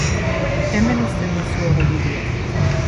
Hemen uzten dizuegu bideoa!